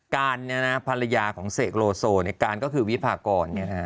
ภรรยาของเสกโลโซการก็คือวิพากร